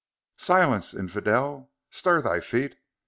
"Silence, infidel! Stir thy feet!